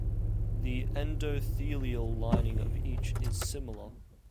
The endothelial lining of each is similar.